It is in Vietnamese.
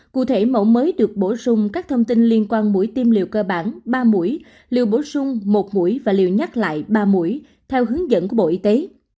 cụ thể mẫu mới được bổ sung các thông tin liên quan mũi tiêm liều cơ bản ba mũi liều bổ sung một mũi và liều nhắc lại ba mũi theo hướng dẫn của bộ y tế